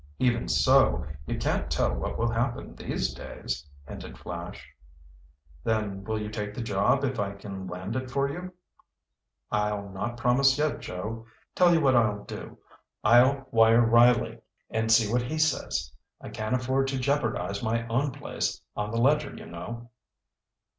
"Even so, you can't tell what will happen these days," hinted Flash. "Then will you take the job if I can land it for you?" "I'll not promise yet, Joe. Tell you what I'll do. I'll wire Riley and see what he says. I can't afford to jeopardize my own place on the Ledger, you know."